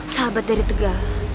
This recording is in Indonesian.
sahabat dari tegal